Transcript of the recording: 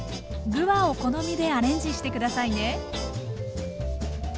具はお好みでアレンジして下さいね。